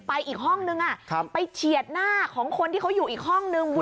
อีกห้องนึงไปเฉียดหน้าของคนที่เขาอยู่อีกห้องนึง